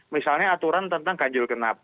misalnya aturan tentang ganjil genap